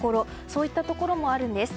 そういったところもあるんです。